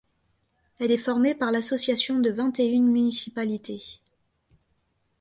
Elle est formée par l'association de vingt et une municipalités.